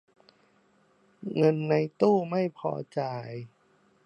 เงินในตู้ไม่พอจ่าย